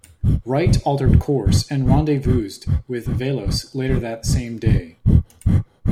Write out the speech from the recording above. "Wright" altered course and rendezvoused with "Velos" later that same day.